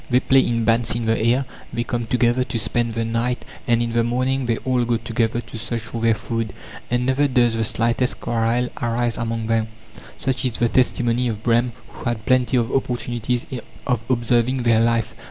They play in bands in the air, they come together to spend the night, and in the morning they all go together to search for their food, and never does the slightest quarrel arise among them; such is the testimony of Brehm, who had plenty of opportunities of observing their life.